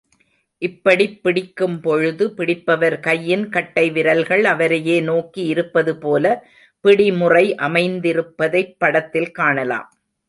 இப்படிப் பிடிக்கும்பொழுது, பிடிப்பவர் கையின் கட்டை விரல்கள் அவரையே நோக்கி இருப்பது போல பிடிமுறை அமைந்திருப்பதைப் படத்தில் காணலாம்.